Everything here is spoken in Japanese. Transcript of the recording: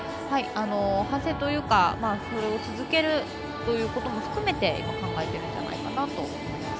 反省というかこれを続けるということも含めて考えてるんじゃないかと思います。